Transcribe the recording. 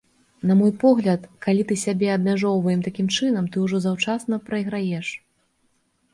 На мой погляд, калі ты сябе абмяжоўваем такім чынам, ты ўжо заўчасна прайграеш.